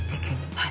はい。